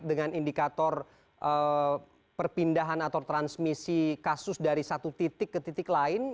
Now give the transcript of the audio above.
dengan indikator perpindahan atau transmisi kasus dari satu titik ke titik lain